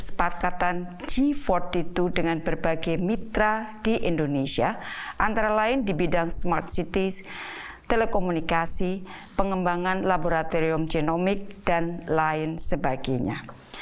kesepakatan g empat puluh dua dengan berbagai mitra di indonesia antara lain di bidang smart cities telekomunikasi pengembangan laboratorium genomik dan lain sebagainya